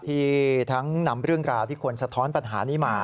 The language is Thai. ที่ทั้งนำเรื่องราวที่ควรสะท้อนปัญหานี้มา